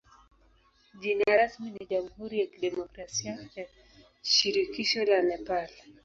Jina rasmi ni jamhuri ya kidemokrasia ya shirikisho la Nepal.